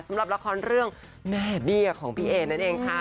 สำหรับละครเรื่องแม่เบี้ยของพี่เอนั่นเองค่ะ